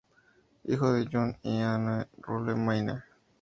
Hijo de John y Anne Rule Mayne.